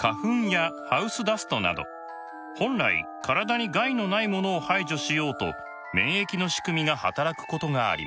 花粉やハウスダストなど本来体に害のないものを排除しようと免疫の仕組みが働くことがあります。